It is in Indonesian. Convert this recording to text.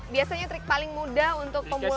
biasanya trik paling mudah untuk pengguna